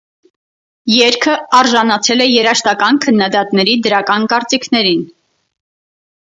Երգը արժանացել է երաժշտական քննադատների դրական կարծիքներին։